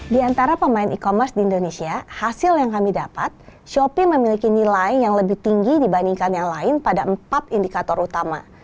di antara pemain e commerce di indonesia hasil yang kami dapat shopee memiliki nilai yang lebih tinggi dibandingkan yang lain pada empat indikator utama